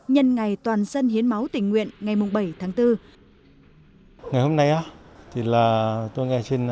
nhận ngày toàn sân hiến máu tình nguyện ngày bảy tháng bốn